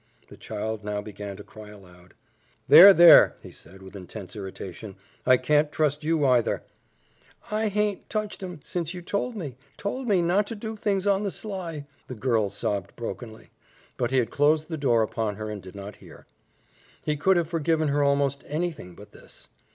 The child now began to cry aloud. "There, there!" he said, with intense irritation, "I can't trust you either." "I haint touched 'em since you told me told me not to do things on the sly," the girl sobbed brokenly; but he had closed the door upon her and did not hear. He could have forgiven her almost anything but this.